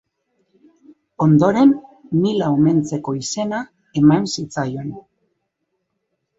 Ondoren Mila omentzeko izena eman zitzaion.